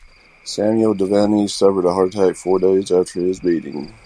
Samuel Devenny suffered a heart attack four days after his beating.